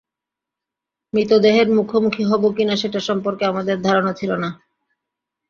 মৃতদেহের মুখোমুখি হব কিনা সেটা সম্পর্কে আমাদের ধারণা ছিল না।